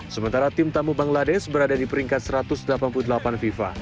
sementara tim tamu bangladesh berada di peringkat satu ratus delapan puluh delapan fifa